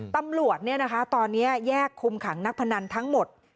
ตำรวจเนี่ยนะคะตอนนี้แยกคุมขังนักพนันทั้งหมด